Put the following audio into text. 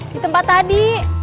di tempat tadi